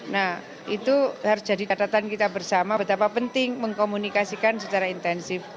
nah itu harus jadi catatan kita bersama betapa penting mengkomunikasikan secara intensif